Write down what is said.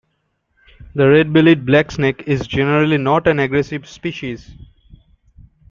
The red-bellied black snake is generally not an aggressive species.